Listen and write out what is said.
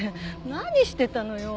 何してたのよ！